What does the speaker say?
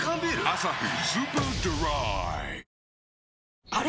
「アサヒスーパードライ」あれ？